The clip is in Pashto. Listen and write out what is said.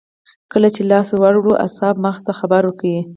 کله چې لاس ور وړو اعصاب مغز ته خبر ورکوي